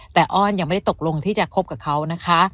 แต่อ้อนยังไม่ได้ตกลงที่จะคบกับเขานะคะ